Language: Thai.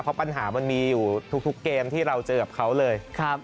เพราะปัญหามันมีอยู่ทุกเกมที่เราเจอกับเขาเลย